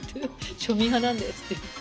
庶民派なんですって。